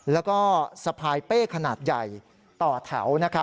แล้วก็สะพายเป้ขนาดใหญ่ต่อแถว